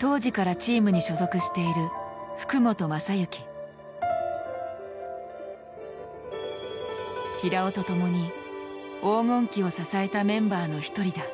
当時からチームに所属している平尾と共に黄金期を支えたメンバーの一人だ。